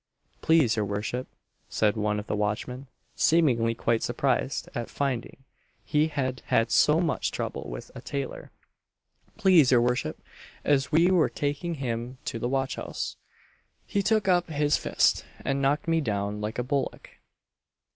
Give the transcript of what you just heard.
"Please your worship," said one of the watchmen seemingly quite surprised at finding he had had so much trouble with a tailor "please your worship, as we were taking him to the watch house, he took up his fist and knocked me down like a bullock!"